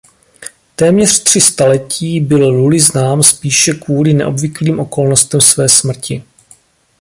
Téměř tři staletí byl Lully znám spíše kvůli neobvyklým okolnostem své smrti.